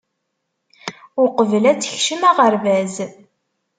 Uqbel ad tekcem aɣerbaz.